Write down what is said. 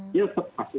dia tetap kasus